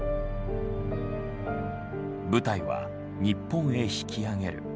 部隊は日本へ引き揚げる。